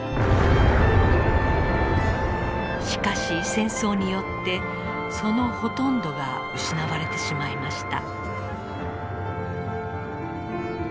しかし戦争によってそのほとんどが失われてしまいました。